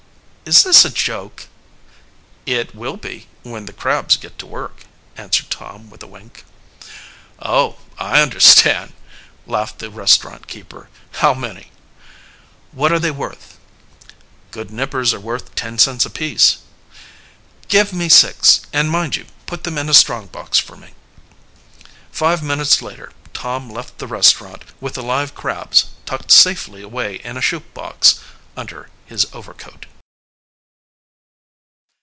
"Is this a joke?" "It will be when the crabs get to work," answered Tom with a wink. "Oh, I understand," laughed the restaurant keeper. "How many?" "What are they worth?" "Good nippers are worth ten cents apiece." "Give me six, and mind you put them in a strong box for me." Five minutes later Tom left the restaurant with the live crabs tucked safely away in a shoe box under his overcoat.